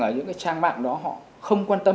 ở những trang mạng đó họ không quan tâm